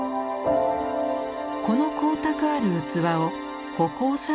この光沢ある器を葆光彩